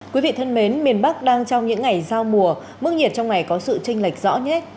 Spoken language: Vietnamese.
quý vị thân mến miền bắc đang trong những ngày giao mùa mức nhiệt trong ngày có sự tranh lệch rõ nét